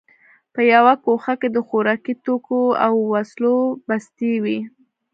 په یوه ګوښه کې د خوراکي توکو او وسلو بستې وې